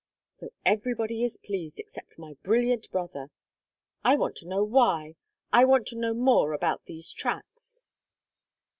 "So everybody is pleased except my brilliant brother! I want to know why I want to know more about these tracks."